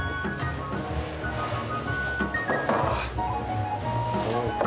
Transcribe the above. ああそうか。